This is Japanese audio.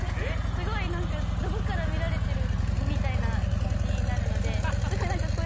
すごい何かどこから見られてるみたいな気持ちになるのでこうやって歩いてきちゃう。